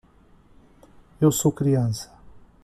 Eu sou criança